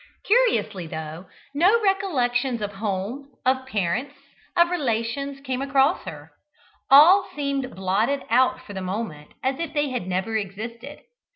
Curiously enough, no recollections of home, of parents, of relations, came across her; all seemed blotted out for the moment as if they had never existed.